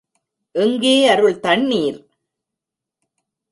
எங்கே அருள் தண்ணீர்?